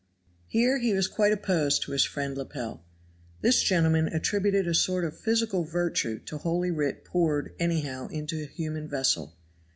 Here he was quite opposed to his friend Lepel. This gentleman attributed a sort of physical virtue to Holy Writ poured anyhow into a human vessel.